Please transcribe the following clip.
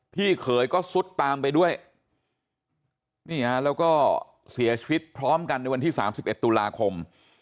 พี่เขยก็ซุดตามไปด้วยนี่ฮะแล้วก็เสียชีวิตพร้อมกันในวันที่๓๑ตุลาคม